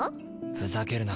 ふざけるな。